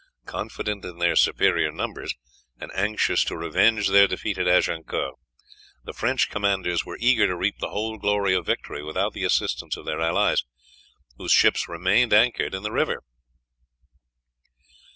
Confident in their superior numbers, and anxious to revenge their defeat at Agincourt, the French commanders were eager to reap the whole glory of victory without the assistance of their allies, whose ships remained anchored in the river.